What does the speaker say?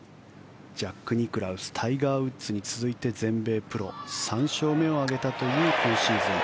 ジャック・ニクラウスタイガー・ウッズに続いて全米プロ３勝目を挙げたという今シーズン。